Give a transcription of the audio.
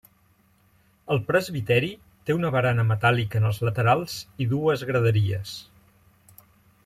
El presbiteri té una barana metàl·lica en els laterals i dues graderies.